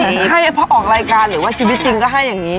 ให้พอออกรายการหรือว่าชีวิตจริงก็ให้อย่างนี้